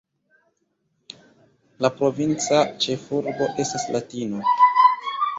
La provinca ĉefurbo estas Latino.